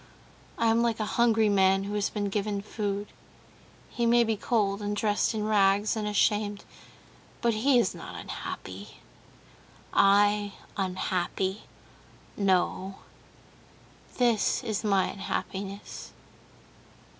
"I am like a hungry man who has been given food. He may be cold, and dressed in rags, and ashamed, but he is not unhappy. I unhappy? No, this is my unhappiness...."